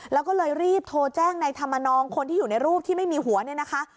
แล้วก็เลยรีบโทรแจ้งในธรรมนองคนที่อยู่ในรูปที่ไม่มีหัวเนี่ยนะคะ